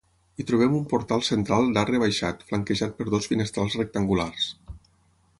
Hi trobem un portal central d'arc rebaixat, flanquejat per dos finestrals rectangulars.